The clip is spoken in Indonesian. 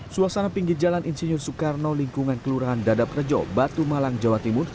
suasana pinggir jalan insinyur soekarno lingkungan kelurahan dadap rejo batu malang jawa timur